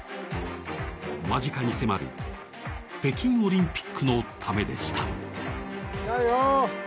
間近に迫る北京オリンピックのためでした。